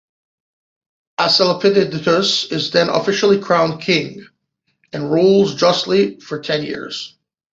Asclepiodotus is then officially crowned king, and rules justly for ten years.